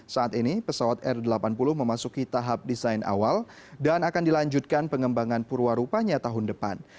saat ini pesawat r delapan puluh memasuki tahap desain awal dan akan dilanjutkan pengembangan purwarupanya tahun depan